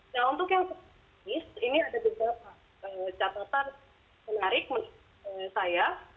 nah untuk yang ke tiga ini ada catatan menarik menurut saya